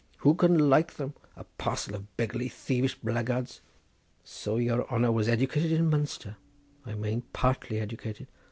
who can like them? a parcel of beggarly thievish blackguards. So your honour was edicated in Munster, I mane partly edicated.